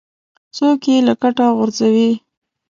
څوک یې له کټه غورځوي.